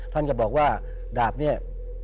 ท่านก็บอกว่าดาบเนี่ย